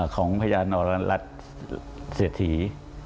ของพญานรรลัติเสถี